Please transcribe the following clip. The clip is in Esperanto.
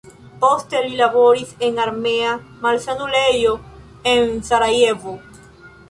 Poste li laboris en armea malsanulejo en Sarajevo.